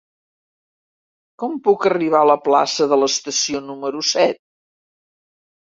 Com puc arribar a la plaça de l'Estació número set?